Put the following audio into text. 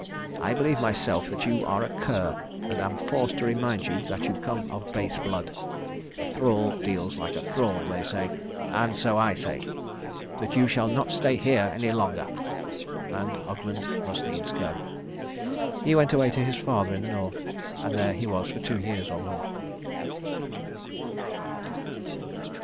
I believe myself, that you are a cur, and am forced to remind you that you come of base blood. A thrall deals like a thrall, they say and so I say. But you shall not stay here any longer." And Ogmund must needs go. He went away to his father in the North, and there he was for two years or more.